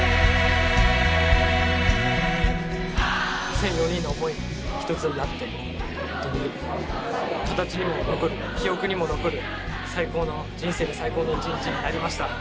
１，００４人の思いが一つになって本当に形にも残る記憶にも残る最高の人生で最高の一日になりました。